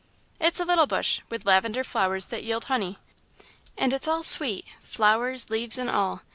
"It's a little bush, with lavender flowers that yield honey, and it's all sweet flowers, leaves, and all.